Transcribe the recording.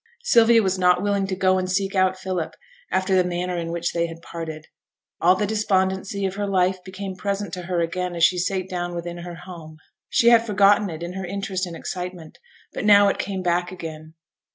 Sylvia was not willing to go and seek out Philip, after the manner in which they had parted. All the despondency of her life became present to her again as she sate down within her home. She had forgotten it in her interest and excitement, but now it came back again.